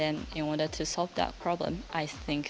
dan itu adalah masalah terbesar